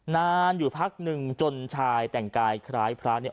นานอยู่พักหนึ่งจนชายแต่งกายคล้ายพระเนี่ย